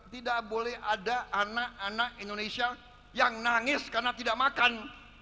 tidak boleh ada anak anak indonesia yang nangis karena tidak makan